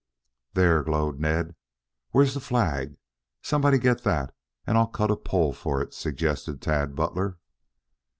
"There!" glowed Ned. "Where's the flag? Somebody get that and I'll cut a pole for it," suggested Tad Butler.